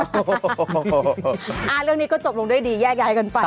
โอ้โหเรื่องนี้ก็จบลงด้วยดีแยกย้ายกันไป